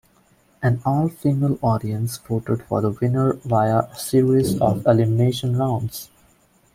An all-female audience voted for the winner via a series of elimination rounds.